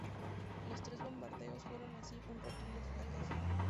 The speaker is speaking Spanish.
Los tres bombardeos fueron así un rotundo fracaso.